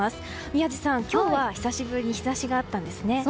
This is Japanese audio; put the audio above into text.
宮司さん、今日は久しぶりに日差しがあったんですね。